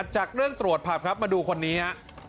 จากเรื่องตรวจผับครับมาดูคนนี้ฮะ